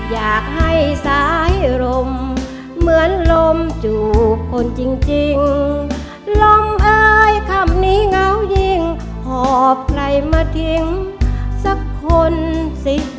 อยากให้สายลมเหมือนลมจูบคนจริงลมอายคำนี้เหงายิ่งหอบใครมาทิ้งสักคนสิ